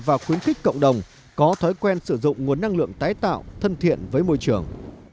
và khuyến khích cộng đồng có thói quen sử dụng nguồn năng lượng tái tạo thân thiện với môi trường